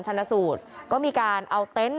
ชนสูตรก็มีการเอาเต็นต์